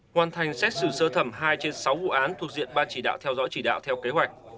hoàn thành xét xử sơ thẩm hai trên sáu vụ án thuộc diện ban chỉ đạo theo dõi chỉ đạo theo kế hoạch